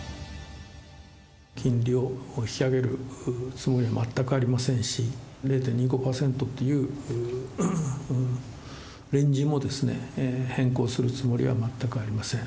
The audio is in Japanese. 金利を引き上げるつもりは全くありませんし、０．２５％というレンジも、変更するつもりは全くありません。